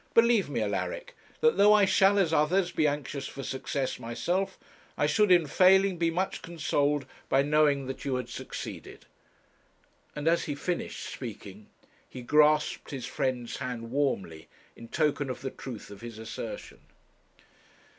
Believe me, Alaric, that though I shall, as others, be anxious for success myself, I should, in failing, be much consoled by knowing that you had succeeded.' And as he finished speaking he grasped his friend's hand warmly in token of the truth of his assertion.